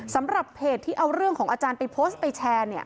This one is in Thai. สำหรับเพจที่เอาเรื่องของอาจารย์ไปโพสต์ไปแชร์เนี่ย